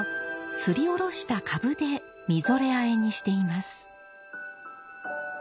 すりおろしたかぶでみぞれあえにしています。